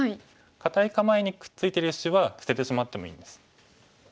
堅い構えにくっついてる石は捨ててしまってもいいんです。